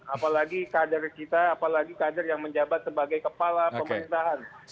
apalagi kader kita apalagi kader yang menjabat sebagai kepala pemerintahan